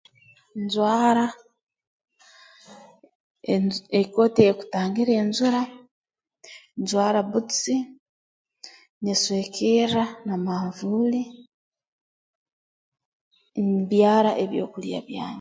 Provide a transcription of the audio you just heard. Njwara enj ekooti eyeekutangira enjura njwara bbutusi nyeswekerra na manvuuli mbyara ebyokulya byange